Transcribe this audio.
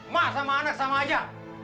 mak sama anak sama aja